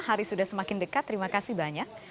hari sudah semakin dekat terima kasih banyak